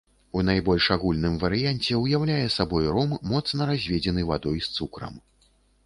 У найбольш агульным варыянце, уяўляе сабой ром, моцна разведзены вадой з цукрам.